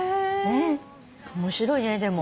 面白いねでも。